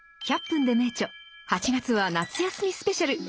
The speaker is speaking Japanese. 「１００分ｄｅ名著」８月は夏休みスペシャル！